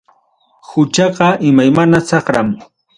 Huchaqa imaymana saqram.